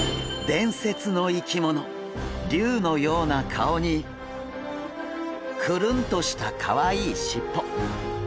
伝説の生き物竜のような顔にクルンとしたかわいいしっぽ。